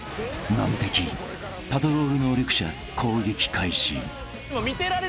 ［難敵パトロール能力者口撃開始］